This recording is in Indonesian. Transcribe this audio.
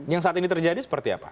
yang saat ini terjadi seperti apa